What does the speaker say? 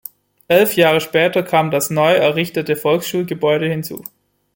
Elf Jahre später kam das neu errichtete Volksschulgebäude hinzu.